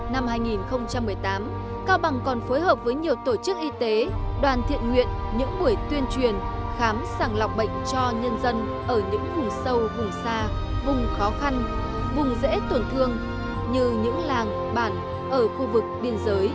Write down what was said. năm hai nghìn một mươi tám cao bằng còn phối hợp với nhiều tổ chức y tế đoàn thiện nguyện những buổi tuyên truyền khám sàng lọc bệnh cho nhân dân ở những vùng sâu vùng xa vùng khó khăn vùng dễ tổn thương như những làng bản ở khu vực biên giới